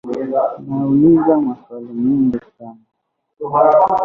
Nauliza maswali mengi sana